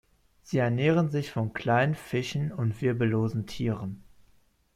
Sie ernähren sich von kleinen Fischen und wirbellosen Tieren.